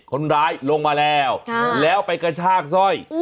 คนร้ายลงมาแล้วแล้วไปกระชากสร้อย